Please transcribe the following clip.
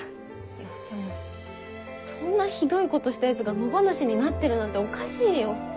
いやでもそんなひどいことしたヤツが野放しになってるなんておかしいよ。